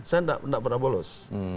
saya tidak pernah bolos